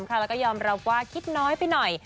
แล้วก็ยอมรับว่าคิดน้อยไปหน่อย